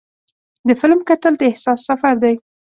د فلم کتل د احساس سفر دی.